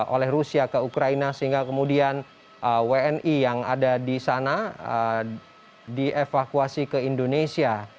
oleh rusia ke ukraina sehingga kemudian wni yang ada di sana dievakuasi ke indonesia